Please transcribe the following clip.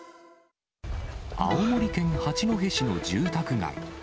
青森県八戸市の住宅街。